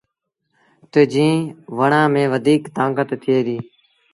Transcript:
تا جين وڻآݩ ميݩ وڌيٚڪ تآݩڪت ٿئي ديٚ۔